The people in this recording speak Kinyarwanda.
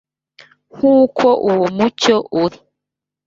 Nk’uko uwo mucyo uri